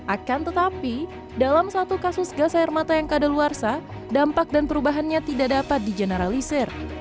akan tetapi dalam satu kasus gas air mata yang kadaluarsa dampak dan perubahannya tidak dapat di generalisir